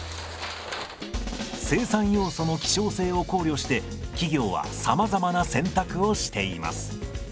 生産要素の希少性を考慮して企業はさまざまな選択をしています。